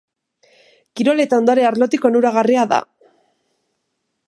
Kirol eta ondare arlotik onuragarria da.